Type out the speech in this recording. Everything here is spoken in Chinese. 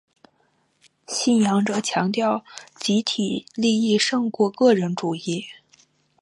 信仰者强调集体利益胜过个人主义。